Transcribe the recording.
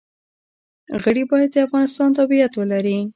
غړي باید د افغانستان تابعیت ولري.